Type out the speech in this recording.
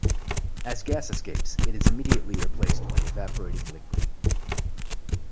As gas escapes, it is immediately replaced by evaporating liquid.